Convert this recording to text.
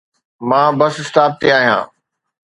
مان bus stop تي آهيان.